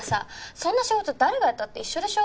そんな仕事誰がやったって一緒でしょ？